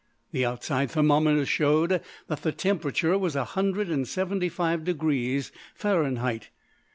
The outside thermometers showed that the temperature was a hundred and seventy five Fahrenheit.